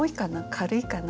軽いかな？